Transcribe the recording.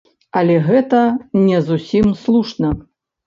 Але гэта не зусім слушна.